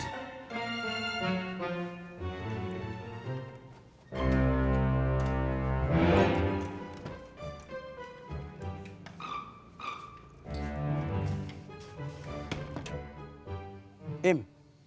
si citra udah bales belon